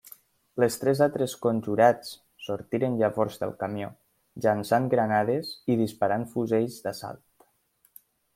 Les tres altres conjurats sortiren llavors del camió, llançant granades i disparant fusells d’assalt.